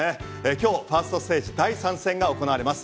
今日ファーストステージ第３戦が行われます。